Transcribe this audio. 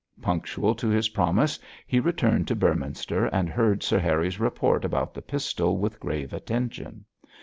Punctual to his promise he returned to Beorminster, and heard Sir Harry's report about the pistol with grave attention.